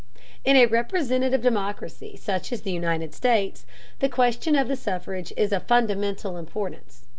In a representative democracy such as the United States, the question of the suffrage is of fundamental importance.